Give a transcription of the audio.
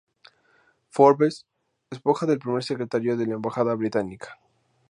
Forbes, esposa del Primer Secretario de la Embajada Británica.